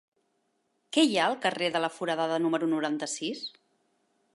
Què hi ha al carrer de la Foradada número noranta-sis?